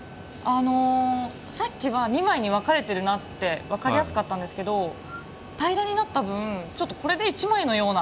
さっきは２枚に分かれてるなって分かりやすかったんですけど平らになった分ちょっとこれで１枚のような。